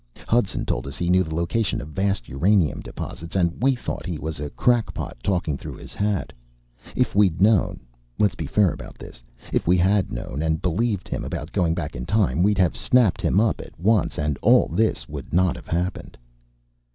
Hudson told us he knew the location of vast uranium deposits and we thought he was a crackpot talking through his hat. If we'd known let's be fair about this if we had known and believed him about going back in time, we'd have snapped him up at once and all this would not have happened."